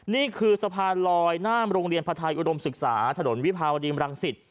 นี่คือสะพานลอยหน้าโรงเรียนพระไทยอุดมศึกษาถนนวิภาวดีมรังสิต